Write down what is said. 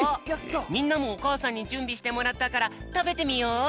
みんなもおかあさんにじゅんびしてもらったからたべてみよう！